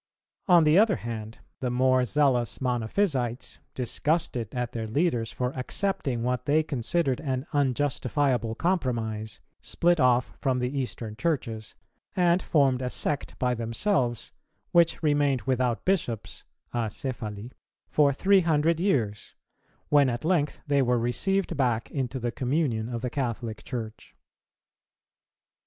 On the other hand, the more zealous Monophysites, disgusted at their leaders for accepting what they considered an unjustifiable compromise, split off from the Eastern Churches, and formed a sect by themselves, which remained without Bishops (acephali) for three hundred years, when at length they were received back into the communion of the Catholic Church.